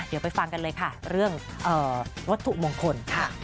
เดี๋ยวไปฟังกันเลยค่ะเรื่องวัตถุมงคล